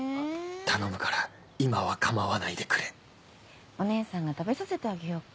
頼むから今は構わないでくれお姉さんが食べさせてあげようか？